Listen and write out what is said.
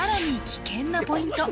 危険なポイント